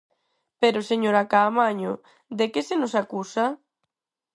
Pero, señora Caamaño, ¿de que se nos acusa?